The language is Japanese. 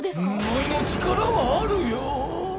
呪いの力はあるよ！